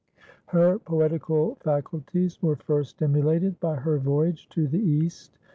Her poetical faculties were first stimulated by her voyage to the East.